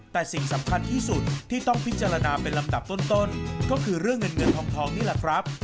แต่สิ่งสำคัญที่สุดที่ต้องพิจารณาเป็นลำดับต้นก็คือเรื่องเงินเงินทองนี่แหละครับ